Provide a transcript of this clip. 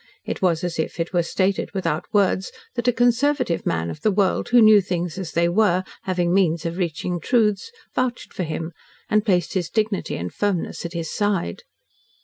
It was as if it were stated without words that a conservative man of the world, who knew things as they were, having means of reaching truths, vouched for him and placed his dignity and firmness at his side.